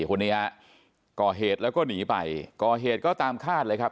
คนนี้ฮะก่อเหตุแล้วก็หนีไปก่อเหตุก็ตามคาดเลยครับ